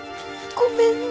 ごめんね。